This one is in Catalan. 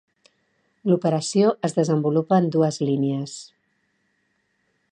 L'operació es desenvolupa en dues línies.